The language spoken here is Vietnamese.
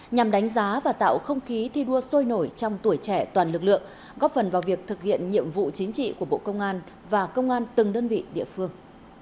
nhằm đánh giá và tạo không khí thi đua sôi nổi trong tuổi trẻ toàn lực lượng góp phần vào việc thực hiện nhiệm vụ chính trị của bộ công an và công an từng đơn vị địa phương